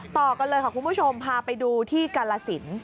ต่อกันเลยค่ะคุณผู้ชมพาไปดูที่กาลสิน